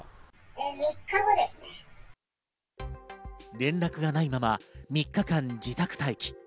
連絡がないまま３日間自宅待機。